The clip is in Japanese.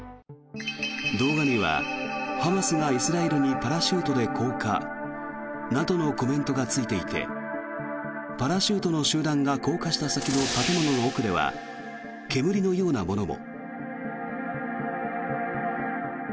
動画にはハマスがイスラエルにパラシュートで降下などのコメントがついていてパラシュートの集団が降下した先の建物の奥では煙のようなものも。